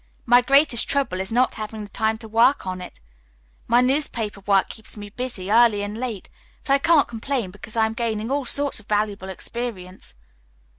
My greatest trouble is not having the time to work on it. My newspaper work keeps me busy, early and late, but I can't complain, because I am gaining all sorts of valuable experience."